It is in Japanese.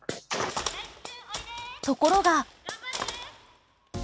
ところが。